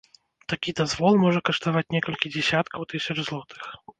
Такі дазвол можа каштаваць некалькі дзесяткаў тысяч злотых.